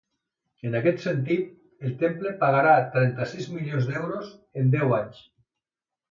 En aquest sentit, el temple pagarà trenta-sis milions d’euros en deu anys.